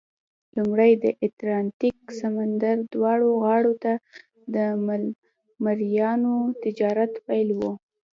لومړی د اتلانتیک سمندر دواړو غاړو ته د مریانو تجارت پیل وو.